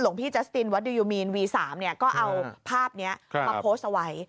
พี่จัสตินวัดดิยูมีนวี๓ก็เอาภาพนี้มาโพสต์เอาไว้